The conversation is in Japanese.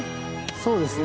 そうですね。